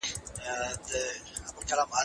اوس باید موږ پخپله د خپل هېواد غم وخورو.